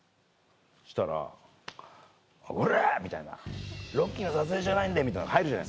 そしたら「おらぁ！」みたいな「『ロッキー』の撮影じゃないんで」みたいの入るじゃないですか。